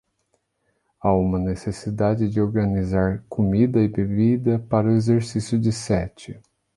Há uma necessidade de organizar comida e bebida para o exercício de sete.